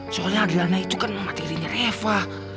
soalnya adriana itu kan emang hati hatinya reva